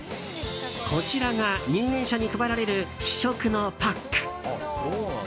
こちらが入園者に配られる試食のパック。